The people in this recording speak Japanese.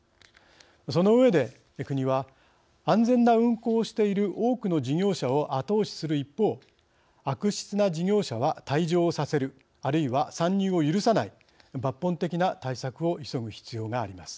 その上で国は安全な運航をしている多くの事業者を後押しする一方悪質な事業者は退場させるあるいは参入を許さない抜本的な対策を急ぐ必要があります。